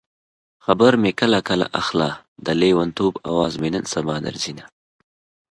خبر مې کله کله اخله د لېونتوب اواز مې نن سبا درځينه